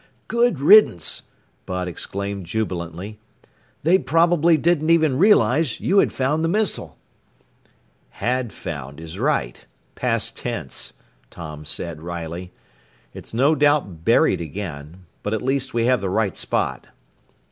"Good riddance!" Bud exclaimed jubilantly. "They probably didn't even realize you had found the missile!" "Had found is right past tense," Tom said wryly. "It's no doubt buried again. But at least we have the right spot."